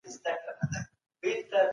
بد نوم ژر هېر نه سي